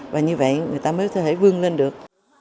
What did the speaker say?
và như vậy người ta mới có thể vươn lên được